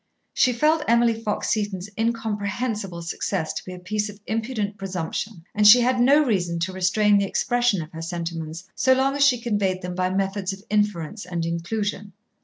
She felt Emily Fox Seton's incomprehensible success to be a piece of impudent presumption, and she had no reason to restrain the expression of her sentiments so long as she conveyed them by methods of inference and inclusion.